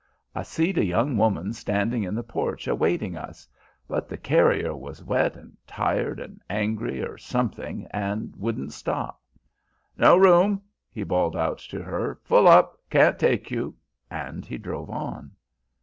I see'd a young woman standing in the porch awaiting us, but the carrier was wet and tired and angry or something and wouldn't stop. 'No room' he bawled out to her 'full up, can't take you!' and he drove on.